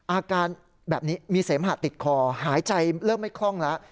อาการแบบนี้มีเสมหะติดคอหายใจเริ่มไม่คล่องแล้ว